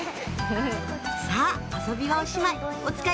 さぁ遊びはおしまい！